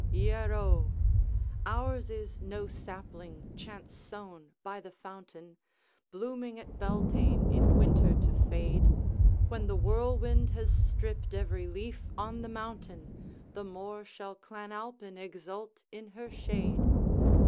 ieroe!' Ours is no sapling, chance sown by the fountain, Blooming at Beltane, in winter to fade; When the whirlwind has stripped every leaf on the mountain, The more shall Clan Alpine exult in her shade.